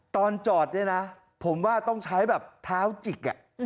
ตอนจอดเนี่ยนะผมว่าต้องใช้แบบเท้าจิก